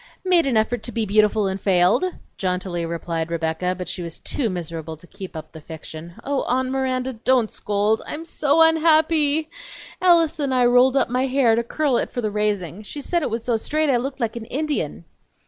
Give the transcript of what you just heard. "Made an effort to be beautiful and failed!" jauntily replied Rebecca, but she was too miserable to keep up the fiction. "Oh, Aunt Miranda, don't scold. I'm so unhappy! Alice and I rolled up my hair to curl it for the raising. She said it was so straight I looked like an Indian!"